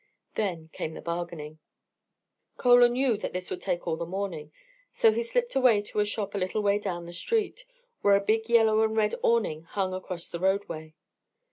Then came the bargaining. Chola knew that this would take all the morning, so he slipped away to a shop a little way down the street, where a big yellow and red awning hung across the roadway.